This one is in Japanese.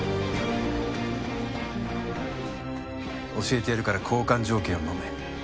教えてやるから交換条件をのめ。